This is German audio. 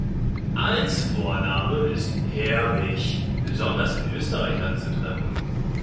Als Vorname ist "Herwig" besonders in Österreich anzutreffen.